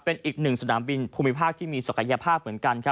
เป็นอีกหนึ่งสนามบินภูมิภาคที่มีศักยภาพเหมือนกัน